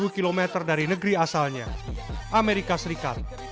lima belas kilometer dari negeri asalnya amerika serikat